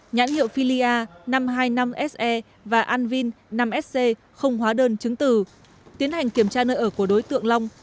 nhãn hiệu filia năm trăm hai mươi năm se và anvin năm sc không hóa đơn chứng từ tiến hành kiểm tra nơi ở của đối tượng long